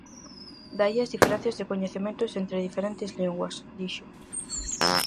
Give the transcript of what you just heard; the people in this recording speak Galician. "De aí as diferenzas de coñecementos entre diferentes linguas", dixo.